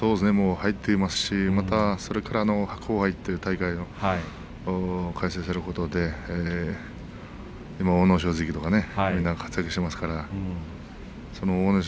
入っていますしまたそれから白鵬杯という大会も開催されることで今、阿武咲関とか活躍されていますからその阿武咲